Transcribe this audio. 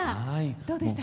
どうでした？